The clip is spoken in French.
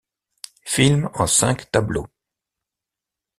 Film en cinq tableaux.